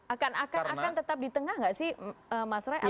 akan tetap di tengah nggak sih mas roy